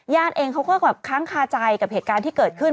เองเขาก็แบบค้างคาใจกับเหตุการณ์ที่เกิดขึ้น